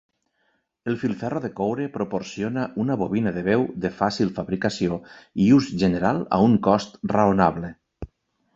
El filferro de coure proporciona una bobina de veu de fàcil fabricació i ús general a un cost raonable.